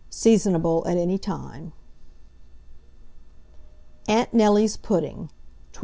Seasonable at any time. AUNT NELLY'S PUDDING. 1224.